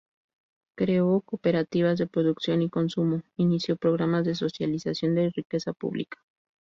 Creó cooperativas de producción y consumo; inició programas de socialización de la riqueza pública.